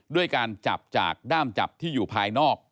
ด้วยการจับจากด้ามจับที่อยู่ภายนอก